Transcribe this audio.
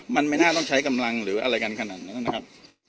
มันไม่น่าต้องใช้กำลังหรืออะไรกันขนาดนั้นนะครับ